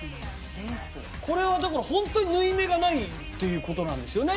これはだからホントに縫い目がないっていうことなんですよね？